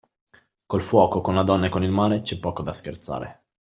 Col fuoco, con la donna e con il mare, c'è poco da scherzare.